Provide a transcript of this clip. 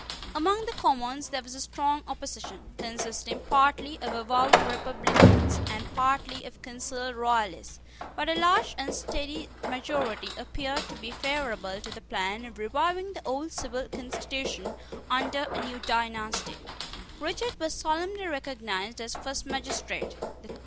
Among the Commons there was a strong opposition, consisting partly of avowed Republicans, and partly of concealed Royalists: but a large and steady majority appeared to be favourable to the plan of reviving the old civil constitution under a new dynasty. Richard was solemnly recognised as first magistrate.